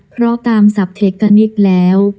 เพราะตามสับเทกกันอีกแล้ว